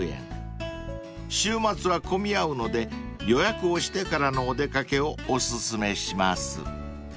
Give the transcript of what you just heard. ［週末は混み合うので予約をしてからのお出掛けをお薦めします］